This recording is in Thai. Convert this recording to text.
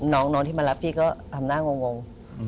น้องที่มารับพี่ก็ทำหน้างง